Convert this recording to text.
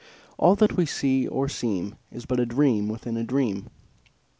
All that we see or seem Is but a dream within a dream.